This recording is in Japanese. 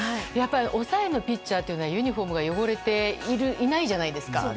抑えのピッチャーはユニホームが汚れてないじゃないですか。